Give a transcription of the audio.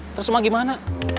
terus ma gimana